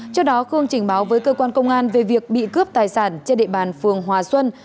trước đó khương trình báo với cơ quan công an về việc bị cướp tài sản trên địa bàn phường hòa xuân